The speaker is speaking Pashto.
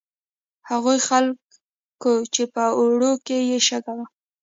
هغو خلکو چې په اوړو کې یې شګه وه.